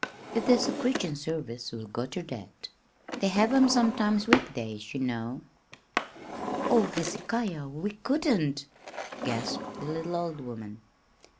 If there's a preachin' service we'll go ter that. They have 'em sometimes weekdays, ye know." "Oh, Hezekiah, we couldn't!" gasped the little old woman.